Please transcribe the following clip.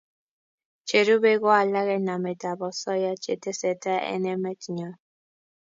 Cherubei ko alak eng nametab osoya che tesetai eng emetanyo